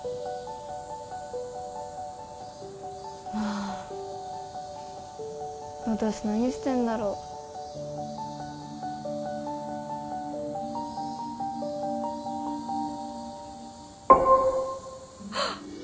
ああ私何してんだろはっ！